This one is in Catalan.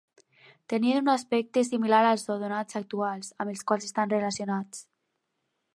Tenien un aspecte similar als odonats actuals, amb els quals estan relacionats.